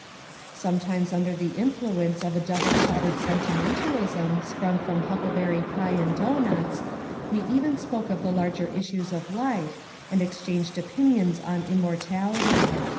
Sometimes under the influence of a double shotted sentimentalism sprung from huckle berry pie and doughnuts, we even spoke of the larger issues of life, and exchanged opin ions on immortality.